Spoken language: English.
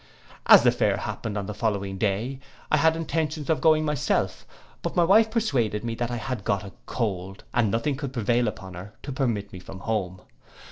As the fair happened on the following day, I had intentions of going myself, but my wife persuaded me that I had got a cold, and nothing could prevail upon her to permit me from home.